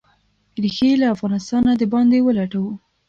ریښې یې له افغانستانه د باندې ولټوو.